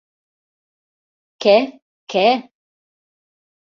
Què, què...